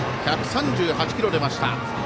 １３８キロ出ました。